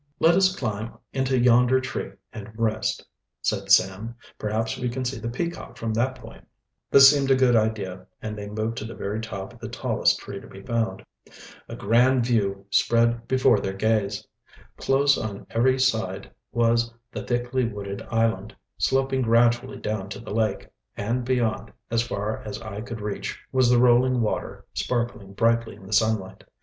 "Let us climb into yonder tree and rest," said Sam. "Perhaps we can see the Peacock from that point." This seemed a good idea, and they moved to the very top of the tallest tree to be found. A grand view lay spread before their gaze. Close upon every side was the thickly wooded island, sloping gradually down to the lake, and beyond, as far as eye could reach, was the rolling water, sparkling brightly in the sunlight.